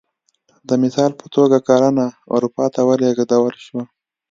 د مثال په توګه کرنه اروپا ته ولېږدول شوه